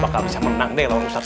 apakah bisa menang deh lawan ustadz